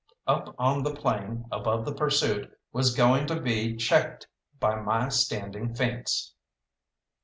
Up on the plain above the pursuit was going to be checked by my standing fence.